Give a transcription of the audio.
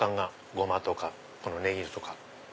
ゴマとかネギとか。